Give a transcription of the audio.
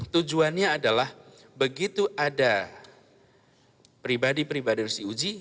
tujuannya adalah begitu ada pribadi pribadi harus diuji